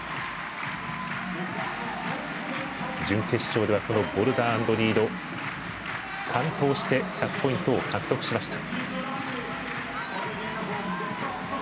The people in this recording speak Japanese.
準決勝では、ボルダー＆リード完登して１００ポイントを獲得しました。